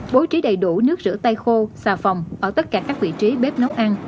bố trí đầy đủ nước rửa tay khô xà phòng ở tất cả các vị trí bếp nấu ăn